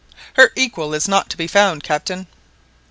"Her equal is not to be found, Captain."